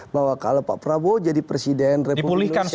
bahwa kalau pak prabowo jadi presiden republik indonesia